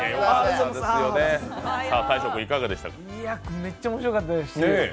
めっちゃ面白かったです。